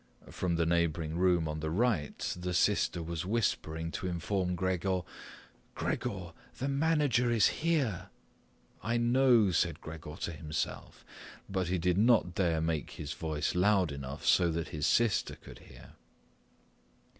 From the neighbouring room on the right the sister was whispering to inform Gregor: "Gregor, the manager is here." "I know," said Gregor to himself. But he did not dare make his voice loud enough so that his sister could hear.